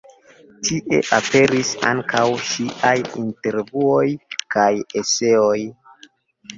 Tie aperis ankaŭ ŝiaj intervjuoj kaj eseoj.